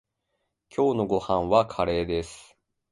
今日のご飯はカレーです。